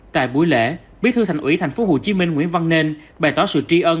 tại buổi lễ bí thư thành ủy tp hcm nguyễn văn nên bày tỏ sự tri ân